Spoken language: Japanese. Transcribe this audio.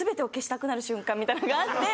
みたいのがあって。